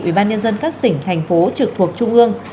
ubnd các tỉnh thành phố trực thuộc trung ương